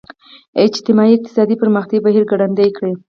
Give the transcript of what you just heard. اجتماعي اقتصادي پرمختیايي بهیر ګړندی کړي.